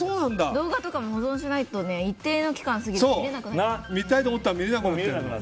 動画とかも保存しないと一定期間すぎると見れなくなる。